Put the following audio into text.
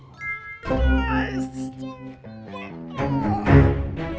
orang berantem aja kok diumumin